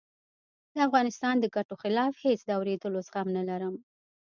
د افغانستان د ګټو خلاف هېڅ د آورېدلو زغم نه لرم